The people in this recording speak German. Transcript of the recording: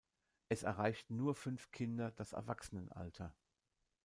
Es erreichten nur fünf Kinder das Erwachsenenalter.